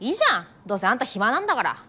どうせあんた暇なんだから！